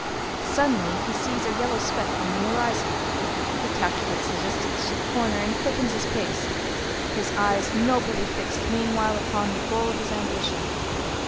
Suddenly he sees a yellow speck on the horizon. He calculates the distance to the corner and quickens his pace, his eyes nobly fixed meanwhile upon the goal of his ambition.